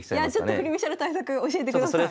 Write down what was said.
振り飛車の対策教えてください。